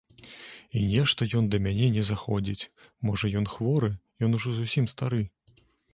І нешта ён да мяне не заходзіць, можа, ён хворы, ён ужо зусім стары.